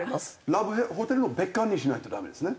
ラブホテルを別館にしないとダメですね。